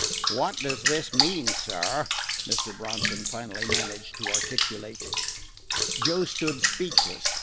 "What does this mean, sir?" Mr. Bronson finally managed to articulate. Joe stood speechless.